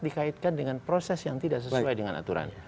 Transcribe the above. dikaitkan dengan proses yang tidak sesuai dengan aturan